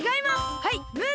はいムール！